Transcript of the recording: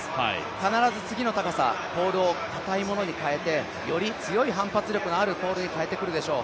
必ず次の高さポールを固い物に変えてより反発力のあるものに変えていくでしょう。